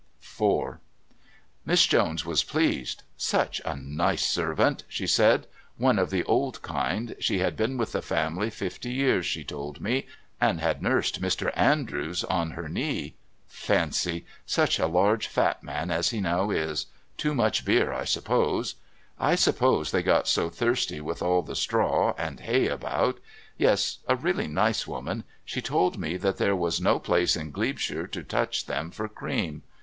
IV Miss Jones was pleased. "Such a nice servant," she said. "One of the old kind. She had been with the family fifty years, she told me, and had nursed Mr. Andrews on her knee. Fancy! Such a large fat man as he is now. Too much beer, I suppose. I suppose they get so thirsty with all the straw and hay about. Yes, a really nice woman. She told me that there was no place in Glebeshire to touch them for cream.